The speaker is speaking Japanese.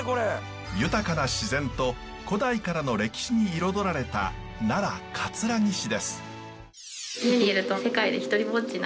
豊かな自然と古代からの歴史に彩られた奈良・葛城市です。